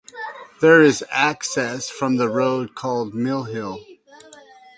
There is access from the road called Mill Hill.